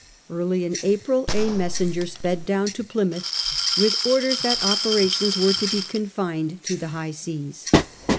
Early in April a messenger sped down to Plymouth with orders that operations were to be confined to the high seas.